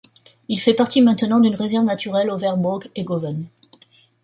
Il fait partie maintenant d'une réserve naturelle Overbroek-Egoven.